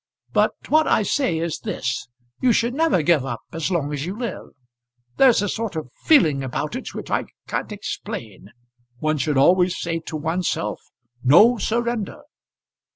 But what I say is this: you should never give up as long as you live. There's a sort of feeling about it which I can't explain. One should always say to oneself, No surrender."